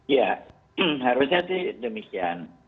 ya harusnya demikian